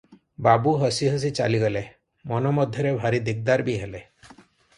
ବାବୁ ହସି ହସି ଚାଲିଗଲେ, ମନ ମଧ୍ୟରେ ଭାରି ଦିକ୍ଦାର ବି ହେଲେ ।